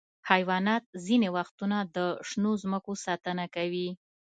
حیوانات ځینې وختونه د شنو ځمکو ساتنه کوي.